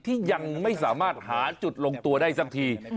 ที่ยังไม่สามารถหาจุดลงตัวได้สักที